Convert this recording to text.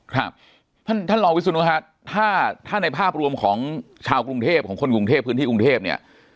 ครับท่านท่านรองวิศนุฮะถ้าในภาพรวมของชาวกรุงเทพของคนกรุงเทพพื้นที่กรุงเทพเนี่ย